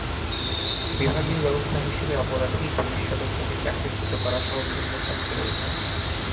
বিভাগীয় ব্যবস্থা হিসেবে অপরাধী পুলিশ সদস্যকে চাকরিচ্যুত করাসহ বিভিন্ন শাস্তি রয়েছে।